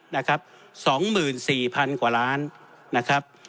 ๒๔๐๐๐บาทกว่าล้านบาท